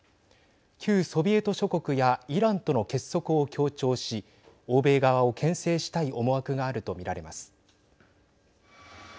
旧ソビエト諸国やイランとの結束を強調し欧米側をけん制したい思惑があると見られます。